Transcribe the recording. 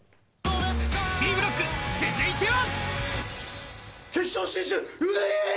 Ｂブロック、続いては。